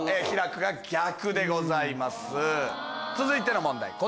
続いての問題